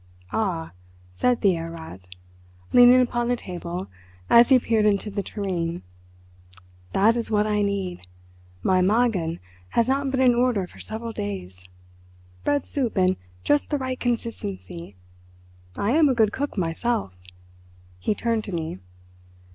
"Ah," said the Herr Rat, leaning upon the table as he peered into the tureen, "that is what I need. My 'magen' has not been in order for several days. Bread soup, and just the right consistency. I am a good cook myself"—he turned to me.